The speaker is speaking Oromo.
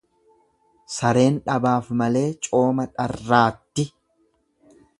Sareen dhabaaf malee cooma dharraatti.